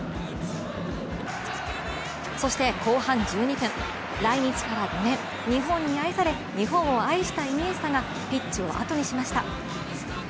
そして後半１２分、来日から５年日本に愛され、日本を愛したイニエスタがピッチをあとにしました。